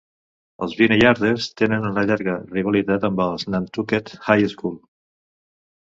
Els Vineyarders tenen una llarga rivalitat amb la Nantucket High School.